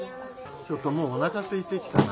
ちょっともう、おなかすいてきたな。